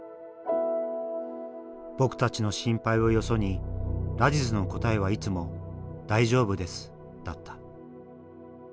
僕たちの心配をよそにラジズの答えはいつも「大丈夫です」だった。